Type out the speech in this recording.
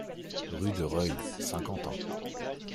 Rue de Reuil, Saint-Quentin